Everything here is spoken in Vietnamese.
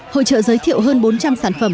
hội trợ giới thiệu hơn bốn trăm linh sản phẩm